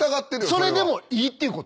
それでもいいってこと？